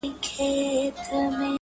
د لیبل منګیان یې هم درته ساتلي دي